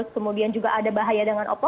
kemudian juga ada bahaya dengan opsi